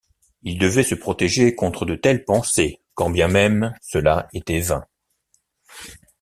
Il devait se protéger contre de telles pensées, quand bien même cela était vain.